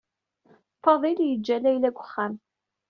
Fadil yeǧǧa Layla deg uxxam.